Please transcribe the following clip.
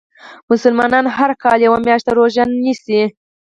مسلمانان هر کال یوه میاشت روژه نیسي .